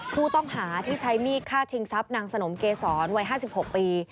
ผู้ต้องหาที่ใช้มีดฆ่าชิงทรัพย์นางสนมเกษรวัย๕๖ปี